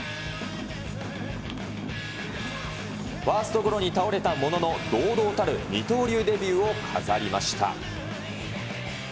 ファーストゴロに倒れたものの、堂々たる二刀流デビューを飾りました。